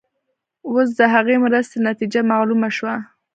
اوس د هغې مرستې نتیجه معلومه شوه.